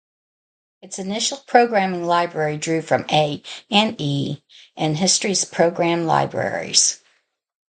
Its initial programming library drew from A and E and History's program libraries.